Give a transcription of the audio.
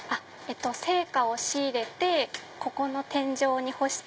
生花を仕入れてここの天井に干して。